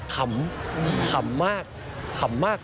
ขำขำมาก